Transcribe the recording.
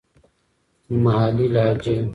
محلې لهجې.